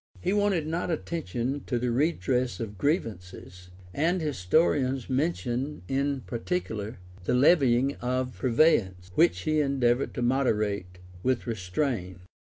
He wanted not attention to the redress of grievances; and historians mention in particular the levying of purveyance, which he endeavored to moderate and restrain.